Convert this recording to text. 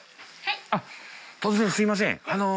突然すいません。